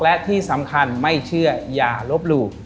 และที่สำคัญไม่เชื่ออย่าลบหลู่